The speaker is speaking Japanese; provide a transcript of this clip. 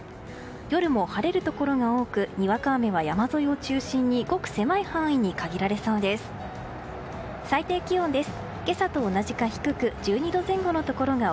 夜も晴れるところが多くにわか雨は山沿いを中心にごく狭い範囲に限られそうです。